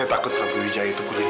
aku tau rasanya non